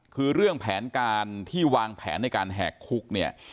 คือเรื่องแผนการที่วางแผนในการแหกคุกเนี่ย